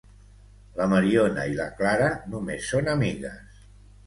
La Mariona i la Clara només són amigues.